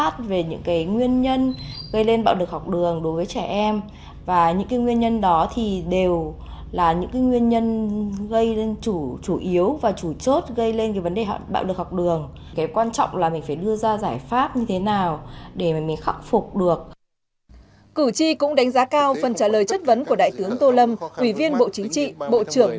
theo dõi phiên chất vấn cử tri và nhân dân đánh giá cao phần trả lời của các thành viên chính phủ